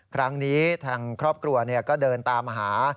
ครั้งนี้ทางครอบครัวก็เดินตามมาหา